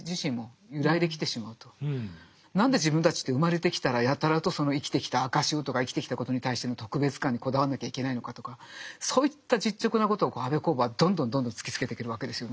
彼のその何で自分たちって生まれてきたらやたらとその生きてきた証をとか生きてきたことに対しての特別感にこだわんなきゃいけないのかとかそういった実直なことを安部公房はどんどんどんどん突きつけてくるわけですよね。